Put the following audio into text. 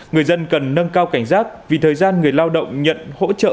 người dân cần nâng cao cảnh giác vì thời gian người lao động nhận hỗ trợ